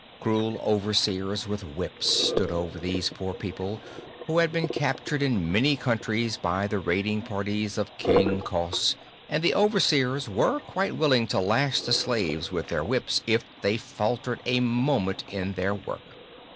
Cruel overseers with whips stood over these poor people, who had been captured in many countries by the raiding parties of King Cos, and the overseers were quite willing to lash the slaves with their whips if they faltered a moment in their work.